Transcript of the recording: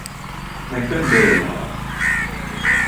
ไมเคิล เบย์เหรอ